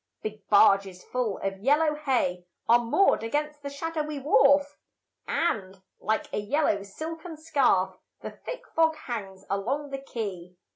Big barges full of yellow hay Are moored against the shadowy wharf, And, like a yellow silken scarf, The thick fog hangs along the quay.